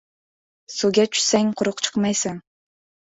• Suvga tushsang quruq chiqmaysan.